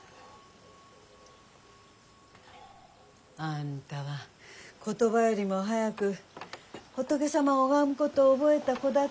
あんたは言葉よりも早く仏様を拝むことを覚えた子だったねぇ。